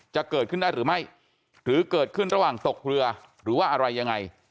จะเกิดขึ้นได้หรือไม่หรือเกิดขึ้นระหว่างตกเรือหรือว่าอะไรยังไง